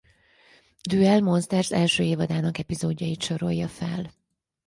Duel Monsters első évadának epizódjait sorolja fel.